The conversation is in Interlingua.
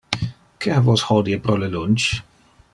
Que ha vos hodie pro le lunch?